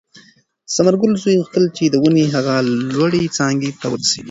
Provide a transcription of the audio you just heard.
د ثمرګل زوی غوښتل چې د ونې هغې لوړې څانګې ته ورسېږي.